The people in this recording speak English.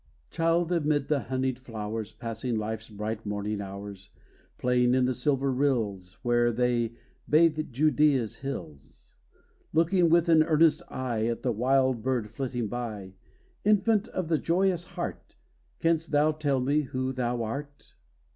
Child, amid the honeyed flowers Passing life's bright morning hours Playing in the silver rills, Where they bathe Judea's hills Looking, with an earnest eye, At the wild bird flitting by Infant of the joyous heart, Canst thou tell me who thou art?